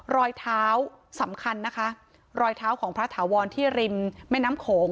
รอยเท้าสำคัญนะคะรอยเท้าของพระถาวรที่ริมแม่น้ำโขง